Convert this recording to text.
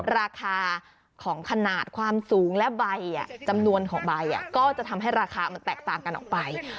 ราคาของขนาดความสูงและใบจำนวนของใบก็จะทำให้ราคามันแตกต่างกันออกไป